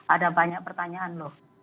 ada banyak pertanyaan loh